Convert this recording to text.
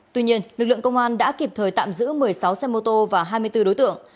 tuy nhiên lực lượng công an đã kịp thời tạm giữ một mươi sáu xe mô tô và hai mươi bốn đối tượng